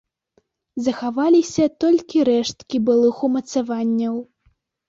Захаваліся толькі рэшткі былых умацаванняў.